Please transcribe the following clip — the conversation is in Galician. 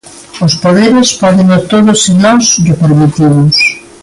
Os poderes pódeno todo se nós llo permitimos.